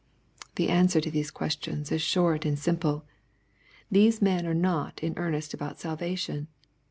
— The answer to these questions is short and simple. These men are not in earnest about salvation.